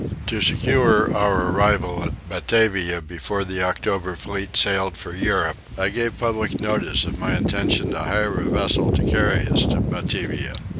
To secure our arrival at Batavia before the October fleet sailed for Europe I gave public notice of my intention to hire a vessel to carry us to Batavia.